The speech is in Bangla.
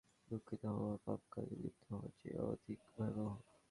পাপকাজ করতে না পারার কারণে দুঃখিত হওয়া, পাপকাজে লিপ্ত হওয়ার চেয়ে অধিক ভয়াবহ।